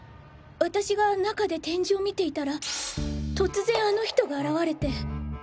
私が中で展示を見ていたら突然あの人が現れて。